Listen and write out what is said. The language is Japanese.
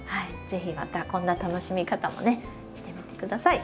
是非またこんな楽しみ方もねしてみて下さい。